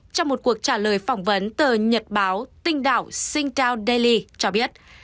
trong một cuộc trả lời phỏng vấn tờ nhật báo tinh đạo singtown daily cho biết